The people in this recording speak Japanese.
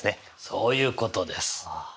そういうことです。